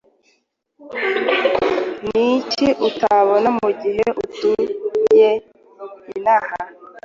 Ni iki uta bona mugihe utuye inaha